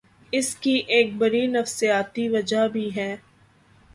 اس کی ایک بڑی نفسیاتی وجہ بھی ہے۔